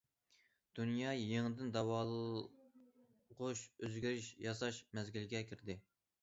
دۇنيا يېڭىدىن داۋالغۇش، ئۆزگىرىش ياساش مەزگىلىگە كىردى.